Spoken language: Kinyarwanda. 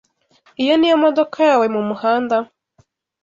Iyo niyo modoka yawe mumuhanda?